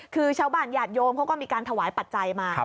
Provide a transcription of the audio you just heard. คือชาวบ้านญาติโยมเขาก็มีการถวายปัจจัยมา